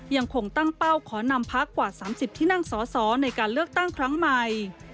ยังคงตั้งเป้าขอนำพักกว่า๓๐ที่นั่งสอสอในการเลือกตั้งครั้งใหม่